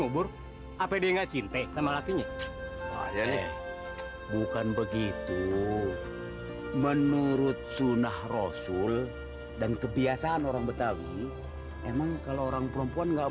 bukan begitu menurut sunnah rasul dan kebiasaan orang betawi emang kalau orang perempuan nggak